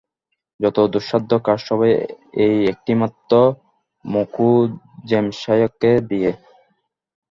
যত দুঃসাধ্য কাজ সবই এই একটিমাত্র মুখুজ্যেমশায়কে দিয়ে?